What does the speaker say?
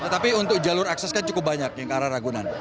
tetapi untuk jalur akses kan cukup banyak yang ke arah ragunan